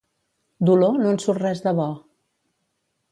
D'Oló no en surt res de bo.